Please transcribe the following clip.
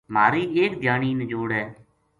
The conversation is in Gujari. مہاری ایک دھیانی نجوڑ ہے